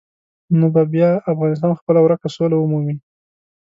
نو بیا به افغانستان خپله ورکه سوله ومومي.